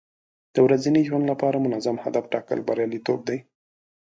د ورځني ژوند لپاره منظم هدف ټاکل بریالیتوب دی.